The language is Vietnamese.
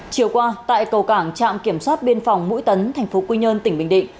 chiều qua tại cầu cảng trạm kiểm soát biên phòng mũi tấn thành phố quy nhơn tỉnh bình định